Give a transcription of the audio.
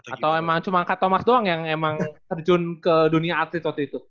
atau emang cuma kata thomas doang yang emang terjun ke dunia atlet waktu itu